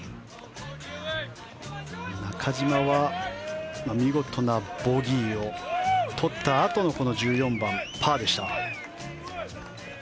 中島は見事なボギーをとったあとの１４番、パーでした。